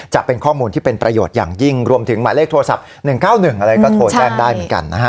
จะเป็นข้อมูลที่เป็นประโยชน์อย่างยิ่งรวมถึงหมายเลขโทรศัพท์๑๙๑อะไรก็โทรแจ้งได้เหมือนกันนะฮะ